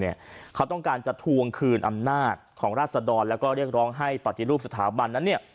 เขาต้องการจะทวงคืนอำนาจของราศดรแล้วก็เรียกร้องให้ปฏิรูปสถาบันนั้นเนี่ย